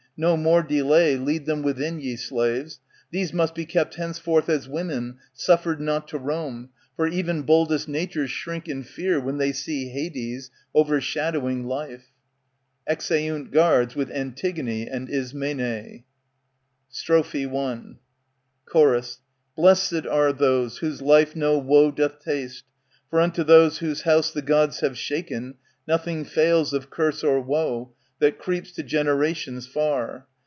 No more delay, Lead them within, ye slaves. These must be kept Henceforth as women, suffered not to roam ; For even boldest natures shrink in fear ^^ When they see Hades overshadowing life. \Exeunt Guards with Antigone and Ismene. Strophe I Chor, Blessed are those whose life no woe doth taste ! For unto those whose house The Gods have shaken, nothing fails of curse Or woe, that creeps to generations far.